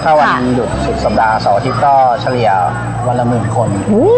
ถ้าวันหยุดสุดสัปดาห์เสาร์อาทิตย์ก็เฉลี่ยวันละหมื่นคน